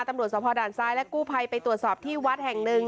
ตำรวจสภด่านซ้ายและกู้ภัยไปตรวจสอบที่วัดแห่งหนึ่ง